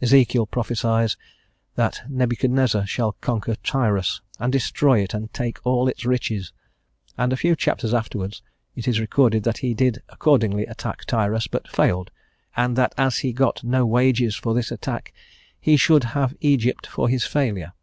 Ezekiel prophecies that Nebuchadnezzar shall conquer Tyrus, and destroy it and take all its riches; and a few chapters afterwards it is recorded that he did accordingly attack Tyrus but failed, and that as he got no wages for this attack he should have Egypt for his failure.